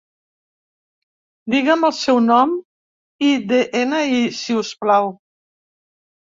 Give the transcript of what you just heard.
Diguem el seu nom i de-ena-i, si us plau.